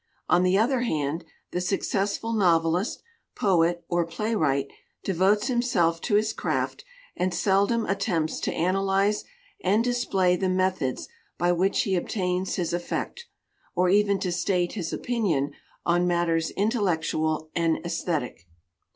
On the other hand, the successful novelist, poet, or playwright de votes himself to his craft and seldom attempts to analyze and display the methods by which he ob tains his effect, or even to state his opinion on matters intellectual and aesthetic.